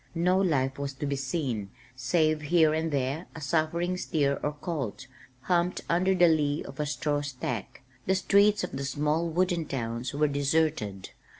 No life was to be seen save here and there a suffering steer or colt, humped under the lee of a straw stack. The streets of the small wooden towns were deserted.